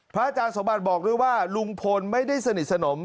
อาจารย์สมบัติบอกด้วยว่าลุงพลไม่ได้สนิทสนม